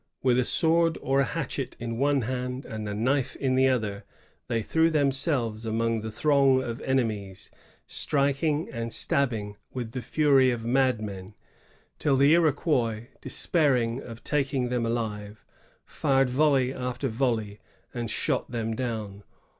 With a sword or a hatchet in one hand and a knife in the other, they threw themselves against the throng of enemies, striking and stabbing with the fury of madmen; till the Iroquois, despairing of taking them alive, fired volley after volley and shot them down.